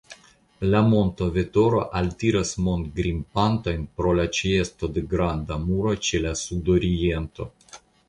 La monto Vetoro altiras montgrimpantojn pro la ĉeesto de granda muro ĉe la sudoriento.